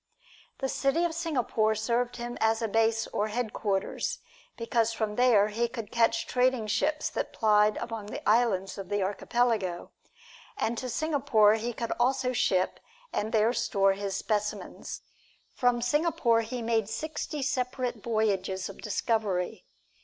The city of Singapore served him as a base or headquarters, because from there he could catch trading ships that plied among the islands of the Archipelago; and to Singapore he could also ship and there store his specimens. From Singapore he made sixty separate voyages of discovery.